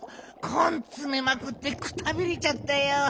こんつめまくってくたびれちゃったよ。